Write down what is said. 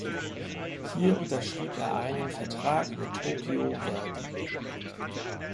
Hier unterschrieb er einen Vertrag bei Tokyo Verdy.